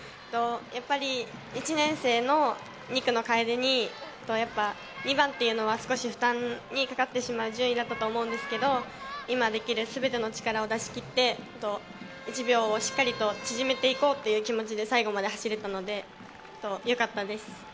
やっぱり１年生の２区の楓に２番というのは少し負担にかかってしまう順位だったと思うんですけれども、今できる全ての力を出し切って、１秒をしっかりと縮めていこうという気持ちで最後まで走れたのでよかったです。